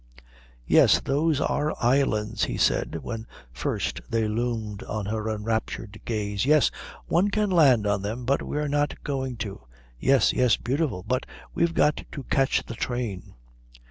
"Yes, those are islands," he said, when first they loomed on her enraptured gaze. "Yes, one can land on them, but we're not going to. Yes, yes, beautiful but we've got to catch the train."